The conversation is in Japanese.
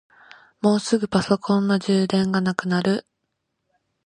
もうすぐパソコンの充電がなくなる。